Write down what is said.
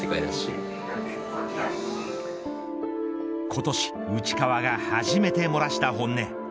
今年、内川が初めて漏らした本音。